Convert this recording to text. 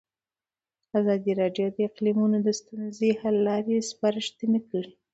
ازادي راډیو د اقلیتونه د ستونزو حل لارې سپارښتنې کړي.